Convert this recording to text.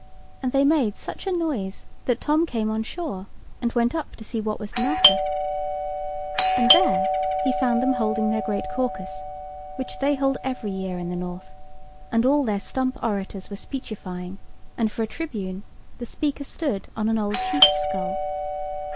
And they made such a noise, that Tom came on shore and went up to see what was the matter. [Picture: Crows] And there he found them holding their great caucus, which they hold every year in the North; and all their stump orators were speechifying; and for a tribune, the speaker stood on an old sheep's skull.